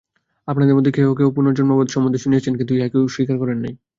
আপনাদের মধ্যে কেহ কেহ পুনর্জন্মবাদ সম্বন্ধে শুনিয়াছেন, কিন্তু ইহাকে স্বীকার করেন নাই।